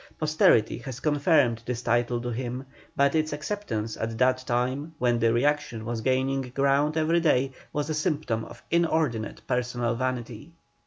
Posterity has confirmed this title to him, but its acceptance at that time, when the reaction was gaining ground every day, was a symptom of inordinate personal vanity.